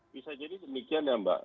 bisa jadi demikian ya mbak